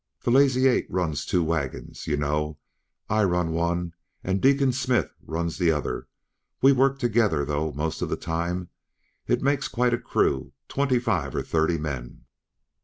The Lazy Eight runs two wagons, yuh know. I run one, and Deacon Smith runs the other; we work together, though, most of the time. It makes quite a crew, twenty five or thirty men."